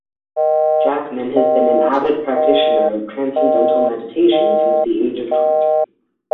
Jackman has been an avid practitioner of Transcendental Meditation since the age of twenty.